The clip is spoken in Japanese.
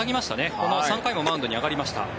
このあと３回もマウンドに上がりました。